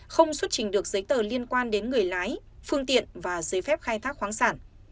không xuất trình được giấy tờ liên quan đến người lái phương tiện và giấy phép khai thác khoáng sản